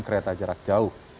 perjalanan kereta jarak jauh